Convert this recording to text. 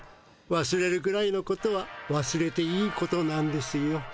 わすれるくらいのことはわすれていいことなんですよ。